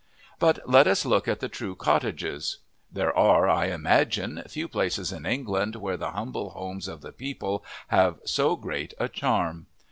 But let us look at the true cottages. There are, I imagine, few places in England where the humble homes of the people have so great a charm.